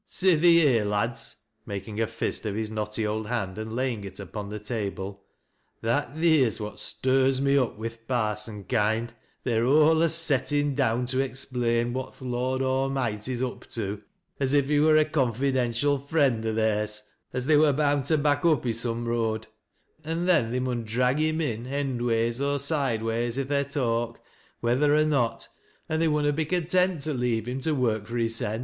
Sithee here, lads," mak ing a fist of his knotty old hand and laying it upon the table, " that theer's what stirs me up wi' th' parson kind. They're alius settin down to explain what th' Lord am .ngty'a up to as, if he wur a confidential friend o' theirs as tbej wur bound to back up i' some road; an' they mun drag 120 THAT LASH Q LOWRISTS. him in endways or sideways i' their talk whethtr or not an' they wiinnot be content to leave him to work fui hissen.